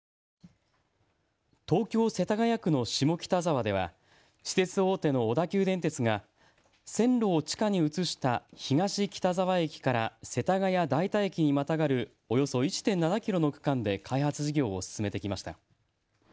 東京・世田谷区の下北沢では私鉄大手の小田急電鉄が線路を地下に移した東北沢駅から世田谷代田駅にまたがるおよそ１．７キロの区間で開発事業を進めてきました。